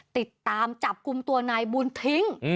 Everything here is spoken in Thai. ติดตามจับกลุ่มตัวนายบุญทิ้ง